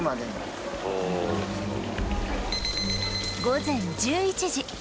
午前１１時